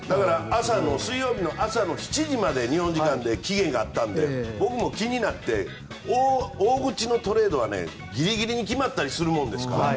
水曜日の朝の７時まで日本時間で期限があったので僕も気になって大口のトレードはギリギリに決まったりするものですから。